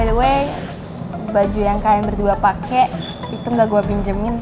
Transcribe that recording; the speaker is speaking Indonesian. by the way baju yang kalian berdua pake itu gak gue pinjemin